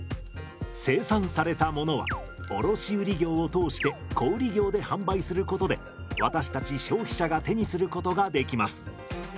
生産されたものは卸売業を通して小売業で販売することで私たち消費者が手にすることができます。